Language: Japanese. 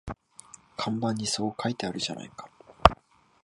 看板にそう書いてあるじゃないか